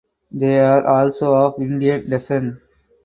They are also of Indian descent.